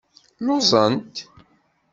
Lluẓent.